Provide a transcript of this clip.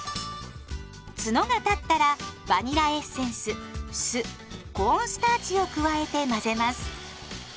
ツノが立ったらバニラエッセンス酢コーンスターチを加えて混ぜます。